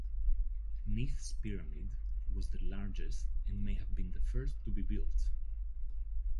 Neith's pyramid was the largest and may have been the first to be built.